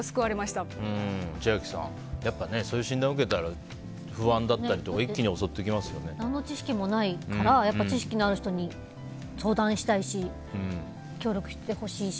千秋さん、やっぱりそういう診断を受けたら不安だったりが何の知識もないから知識がある人に相談したいし協力してほしいし。